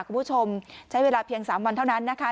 คุณผู้ชมใช้เวลาเพียง๓วันเท่านั้นนะคะ